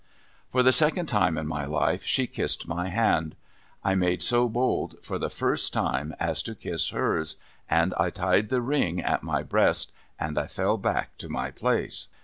For the second time in my life she kissed my hand. I made so bold, for the first time, as to kiss hers ; and I tied the ring at my breast, and I fell back to my place.